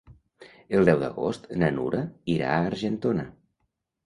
El deu d'agost na Nura irà a Argentona.